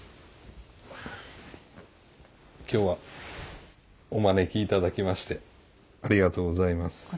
今日はお招き頂きましてありがとうございます。